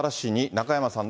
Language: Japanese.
中山さん